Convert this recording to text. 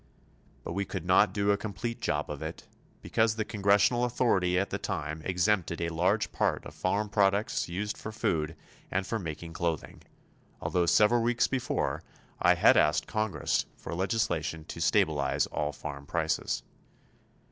But we could not do a complete job of it, because the Congressional authority at the time exempted a large part of farm products used for food and for making clothing, although several weeks before, I had asked the Congress for legislation to stabilize all farm prices.